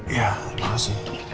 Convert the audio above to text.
iya terima kasih